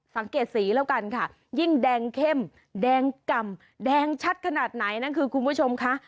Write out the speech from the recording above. สังเกตสีแล้วกันค่ะยิ่งแดงเข้มแดงกล่ำแดงชัดขนาดไหนนั่นคือคุณผู้ชมค่ะ